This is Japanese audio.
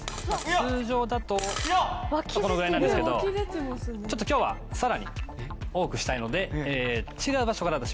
通常だとこのぐらいなんですけど今日はさらに多くしたいので違う場所から出します。